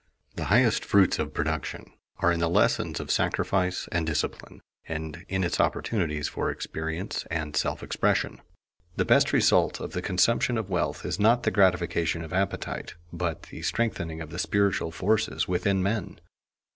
The highest fruits of production are in the lessons of sacrifice and discipline, and in its opportunities for experience and self expression. The best result of the consumption of wealth is not the gratification of appetite, but the strengthening of the spiritual forces within men.